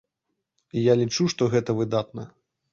Я лічу, што гэта выдатна.